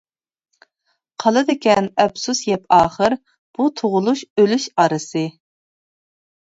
قالىدىكەن ئەپسۇس يەپ ئاخىر، بۇ تۇغۇلۇش-ئۆلۈش ئارىسى.